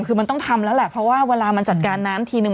คือมันต้องทำแล้วแหละเพราะว่าเวลามันจัดการน้ำทีนึง